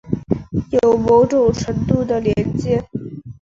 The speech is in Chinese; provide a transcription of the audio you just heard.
有某种程度的链接